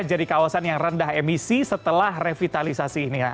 jadi kawasan yang rendah emisi setelah revitalisasi ini ya